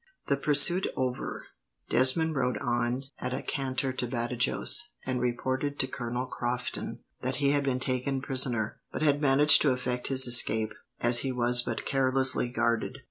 The pursuit over, Desmond rode on at a canter to Badajos, and reported to Colonel Crofton that he had been taken prisoner, but had managed to effect his escape, as he was but carelessly guarded.